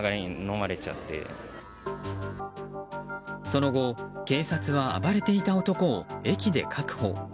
その後警察は暴れていた男を駅で確保。